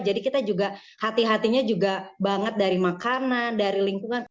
jadi kita juga hati hatinya juga banget dari makanan dari lingkungan